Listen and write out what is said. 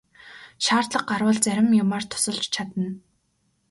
Шаардлага гарвал зарим юмаар тусалж чадна.